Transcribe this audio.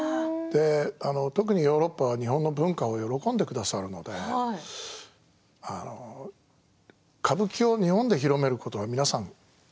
特に、ヨーロッパは日本の文化を喜んでくださるので歌舞伎を日本で広めること皆さん